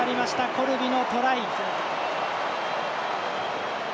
コルビのトライ。